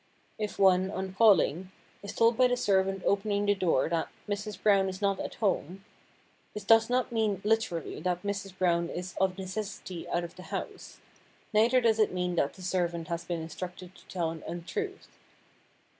If one, on calling, is told by the servant opening the door that "Mrs. Brown is not at home," this does not mean literally that Mrs. Brown is of necessity out of the house, neither does it mean that the servant has been instructed to tell an untruth.